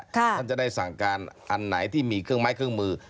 คุณผู้ครอบข้างจะได้การสั่งการอันไหนที่มีเครื่องไม้เครื่องมือ